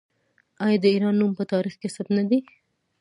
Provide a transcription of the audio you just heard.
آیا د ایران نوم په تاریخ کې ثبت نه دی؟